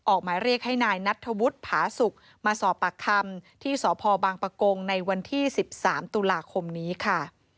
หมายเรียกให้นายนัทธวุฒิผาสุกมาสอบปากคำที่สพบางปะโกงในวันที่๑๓ตุลาคมนี้ค่ะ